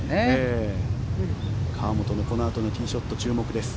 河本のこのあとのティーショット注目です。